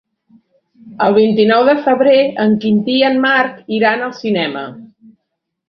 El vint-i-nou de febrer en Quintí i en Marc iran al cinema.